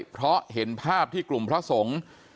เพราะเห็นภาพที่กลุ่มพระสงฆ์